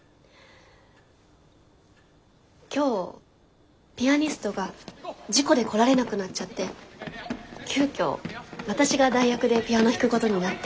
今日ピアニストが事故で来られなくなっちゃって急遽私が代役でピアノ弾くことになって。